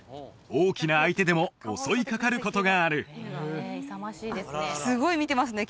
大きな相手でも襲いかかることがあるすごい見てますね